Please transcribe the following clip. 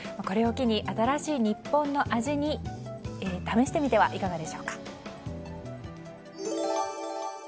これを機に、新しい日本の味を試してみてはいかがでしょうか。